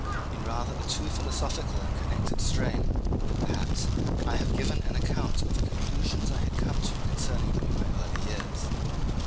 In rather a too philosophical and connected a strain, perhaps, I have given an account of the conclusions I had come to concerning them in my early years.